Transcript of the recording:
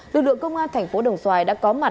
lực lượng công an thành phố đồng xoài đã có mặt